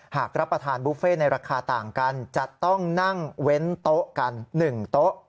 หากรับประทานบุฟเฟ่ในราคาต่างกันจะต้องนั่งเว้นโต๊ะกัน๑โต๊ะ